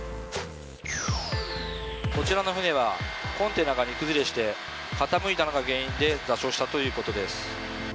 こちらの船はコンテナが荷崩れして傾いたのが原因で座礁したということです。